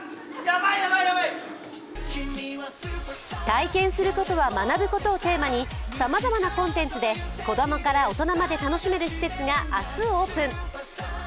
体験することは学ぶことをテーマにさまざまなコンテンツで子供から大人まで楽しめる施設が明日、オープン。